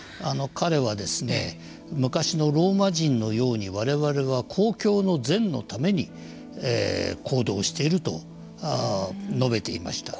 彼はですね昔のローマ人のようにわれわれは公共の善のために行動していると述べていました。